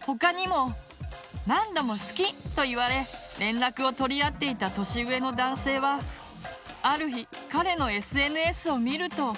他にも何度も「好き！」と言われ連絡を取り合っていた年上の男性はある日彼のＳＮＳを見ると。